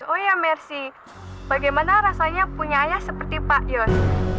oh iya mercy bagaimana rasanya punya ayah seperti pak yos